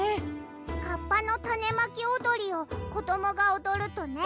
「カッパのタネまきおどり」をこどもがおどるとね